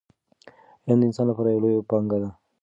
علم د انسان لپاره لویه پانګه ده.